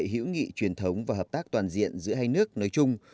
hữu nghị truyền thống và hợp tác toàn diện giữa hai nước nói chung